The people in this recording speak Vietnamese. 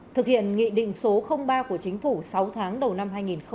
thực hiện nghị định số ba của chính phủ sáu tháng đầu năm hai nghìn hai mươi